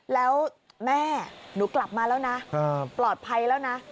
แล้วแม่หนูกลับมาแล้วนะปลอดภัยแล้วนะ